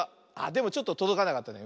でもちょっととどかなかったね。